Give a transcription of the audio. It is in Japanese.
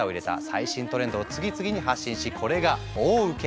最新トレンドを次々に発信しこれが大ウケ！